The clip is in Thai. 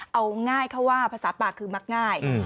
เอาง่ายเขาว่าภาษาปากคือมักง่าย